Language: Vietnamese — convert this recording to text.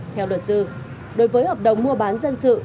theo luật sư đối với hợp đồng mua bán dân sự